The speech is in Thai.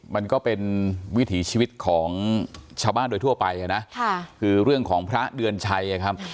มันก็เป็นวิถีชีวิตของชาวบ้านโดยทั่วไปนะคือเรื่องของพระเดือนชัยครับ